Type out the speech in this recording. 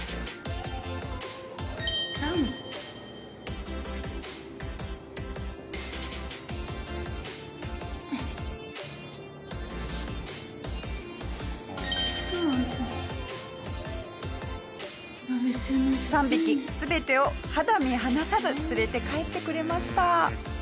下平：３匹全てを肌身離さず連れて帰ってくれました。